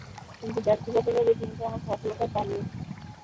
কিন্তু ব্যক্তিগতভাবে তিনি তেমন সফলতা পাননি।